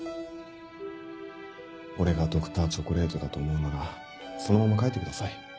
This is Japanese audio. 俺がＤｒ．チョコレートだと思うならそのまま書いてください。